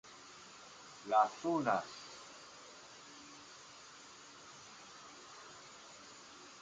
De igual modo, repite muchas especies de la Provincia fitogeográfica Paranaense.